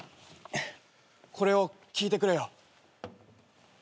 これを聴いてくれよ。